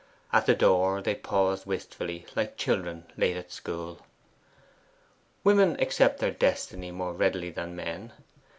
At the door they paused wistfully, like children late at school. Women accept their destiny more readily than men.